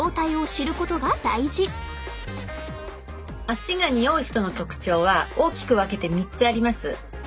足がにおう人の特徴は大きく分けて３つあります。